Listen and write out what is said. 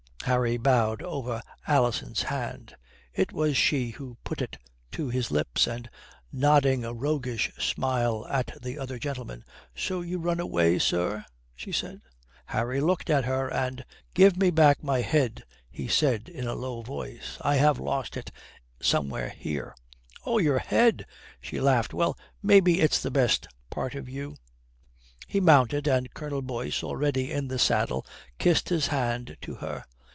Harry bowed over Alison's hand. It was she who put it to his lips, and nodding a roguish smile at the other gentlemen, "So you run away, sir?" she said. Harry looked at her and "Give me back my head," he said in a low voice. "I have lost it somewhere here." "Oh, your head!" She laughed. "Well, maybe it's the best part of you." He mounted, and Colonel Boyce, already in the saddle, kissed his hand to her.